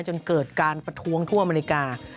จนเกิดการประท้วงทั่วอเมริกา